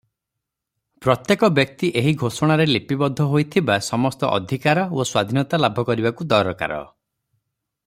ପ୍ରତ୍ୟେକ ବ୍ୟକ୍ତି ଏହି ଘୋଷଣାରେ ଲିପିବଦ୍ଧ ହୋଇଥିବା ସମସ୍ତ ଅଧିକାର ଓ ସ୍ୱାଧୀନତା ଲାଭ କରିବାକୁ ଦରକାର ।